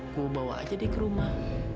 gue bawa aja dia ke rumah